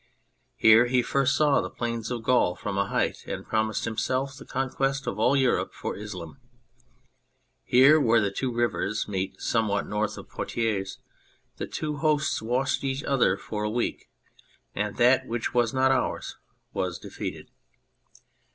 Here he first saw the plains of Gaul from a height and promised himself the conquest of all Europe for Islam. Here, where the two rivers meet somewhat north of Poitiers, the two hosts watched each other for a week, and that which was not ours was defeated.